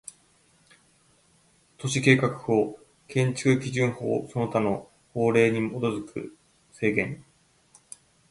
都市計画法、建築基準法その他の法令に基づく制限